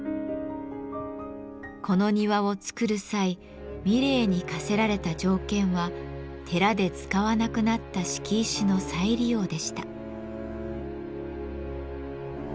この庭を造る際三玲に課せられた条件は寺で使わなくなった敷石の再利用でした。